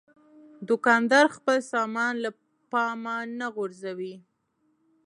دوکاندار خپل سامان له پامه نه غورځوي.